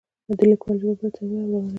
د لیکوال ژبه باید ساده او روانه وي.